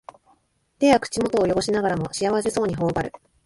手や口元をよごしながらも幸せそうにほおばる